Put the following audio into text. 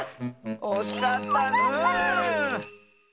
おしかったッス！